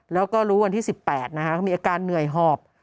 แล้วก็รู้วันที่๑๘นะฮะมีอาการเหนื่อยหอบ